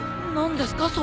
何ですか？